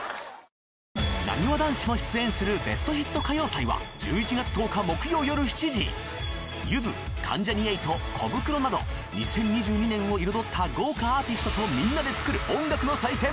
なにわ男子も出演する『ベストヒット歌謡祭』は１１月１０日木曜よる７時ゆず関ジャニ∞コブクロなど２０２２年を彩った豪華アーティストとみんなで作る音楽の祭典。